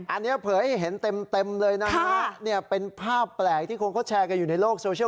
อันนี้เผยให้เห็นเต็มเลยนะฮะเนี่ยเป็นภาพแปลกที่คนเขาแชร์กันอยู่ในโลกโซเชียล